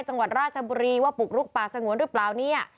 จังหวัดราชบุรีว่าปลุกป่าสงวนหรือเปล่าเนี่ย